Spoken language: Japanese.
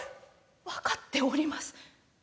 「分かっております。